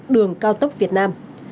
đường cao tốc việt nam